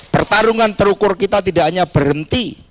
pertarungan terukur kita tidak hanya berhenti